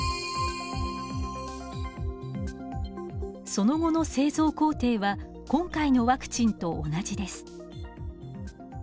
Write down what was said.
その後の製造工程は今回のワクチンと同じです。